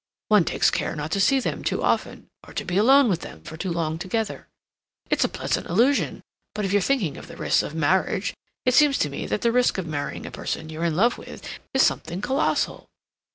One takes care not to see them too often, or to be alone with them for too long together. It's a pleasant illusion, but if you're thinking of the risks of marriage, it seems to me that the risk of marrying a person you're in love with is something colossal."